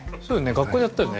学校でやったよね。